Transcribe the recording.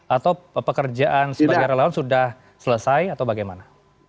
atau pekerjaan sebagai relawan sudah selesai atau bagaimana